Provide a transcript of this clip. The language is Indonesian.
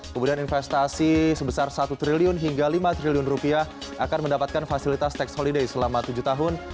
kemudian investasi sebesar satu triliun hingga lima triliun rupiah akan mendapatkan fasilitas tax holiday selama tujuh tahun